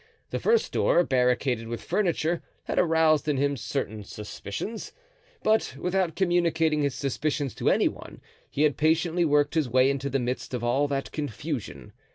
The first door, barricaded with furniture, had aroused in him certain suspicions, but without communicating his suspicions to any one he had patiently worked his way into the midst of all that confusion.